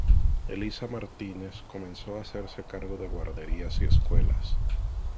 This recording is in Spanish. Elisa Martínez comenzó a hacerse cargo de guarderías y escuelas.